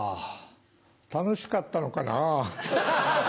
楽しかったのかな？